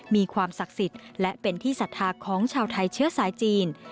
มีความศักดิ์สิทธิ์และเป็นที่ศรัทธาของชาวไทยเชื้อสายจีน